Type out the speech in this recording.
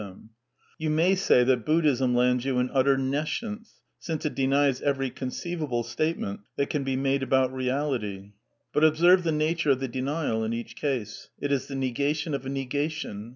^— Tbulnay say tbat Buddhism lands you in utter ne science, since it denies every conceivable statement that can be made about reality. But observe the nature of the denial in each case. It is the negation of a negation.